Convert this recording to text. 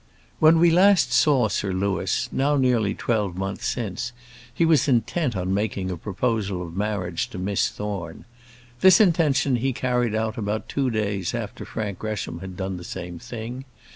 When last we saw Sir Louis, now nearly twelve months since, he was intent on making a proposal of marriage to Miss Thorne. This intention he carried out about two days after Frank Gresham had done the same thing.